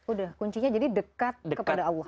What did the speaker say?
udah kuncinya jadi dekat kepada allah